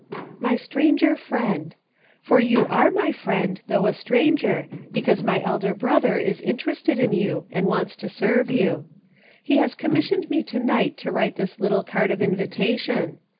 My stranger Friend: For you are my friend, though a stranger, because my Elder Brother is interested in you, and wants to serve you. He has commissioned me to night to write this little card of invitation.